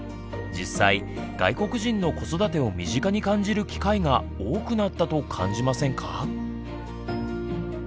実際外国人の子育てを身近に感じる機会が多くなったと感じませんか？